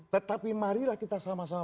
tetapi marilah kita sama sama